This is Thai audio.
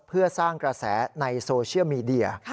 เพื่อสร้างกระแสในโซเชียลมีเดีย